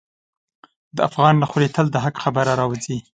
د افغان له خولې تل د حق خبره راوځي.